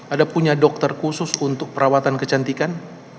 ada punya dokter khusus untuk perawatan kecantikan